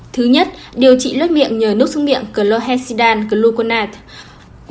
thứ nhất điều trị lết miệng nhờ nước xúc miệng chlorhexidine gluconate